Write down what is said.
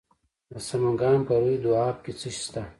د سمنګان په روی دو اب کې څه شی شته؟